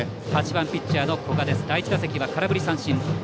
８番ピッチャーの古賀第１打席は空振り三振。